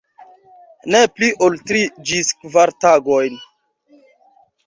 Ne pli ol tri ĝis kvar tagojn.